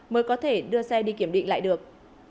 mới có thể đưa xe đi kiểm định lại được